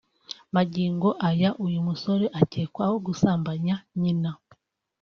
Magingo aya uyu musore ukekwaho gusambanya nyina